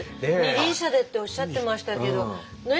二輪車でっておっしゃってましたけどね